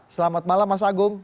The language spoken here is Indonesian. selamat malam mas agung